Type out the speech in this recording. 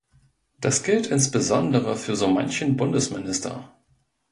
Das gilt insbesondere für so manchen Bundesminister.